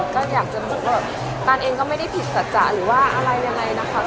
ก็อยากจะบอกว่าตานเองก็ไม่ได้ผิดสัจจะหรือว่าอะไรยังไงนะคะ